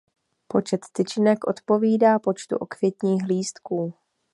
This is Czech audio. Počet tyčinek odpovídá počtu okvětních lístků.